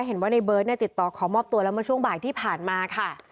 เห็นว่าในเบิร์ตติดต่อขอมอบตัวแล้วเมื่อช่วงบ่ายที่ผ่านมาค่ะ